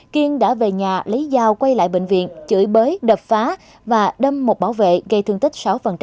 kiên đã về nhà lấy dao quay lại bệnh viện chửi bới đập phá và đâm một bảo vệ gây thương tích sáu